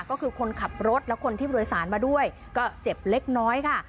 ก็คือคนขับรถและคนที่โดยสารมาด้วยก็เจ็บเล็กน้อยค่ะ